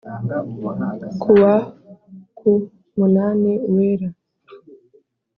Kuwa ku munani Uwera